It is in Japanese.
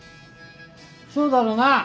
そうだろうな。